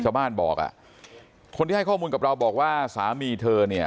ชาวบ้านบอกอ่ะคนที่ให้ข้อมูลกับเราบอกว่าสามีเธอเนี่ย